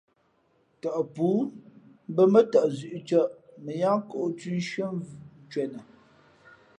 Tαʼ pǔ mbᾱ mά tαʼ zʉ̌ʼ cᾱʼ mα yáá kōʼ thʉ̄ nshʉ́ά ncwenα.